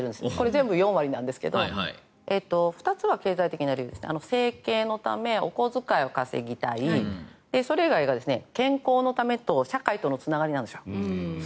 全部４割ぐらいなんですけど２つは経済的な理由で生計のためお小遣いを稼ぎたいそれ以外が、健康のためと社会とのつながりなんですよ。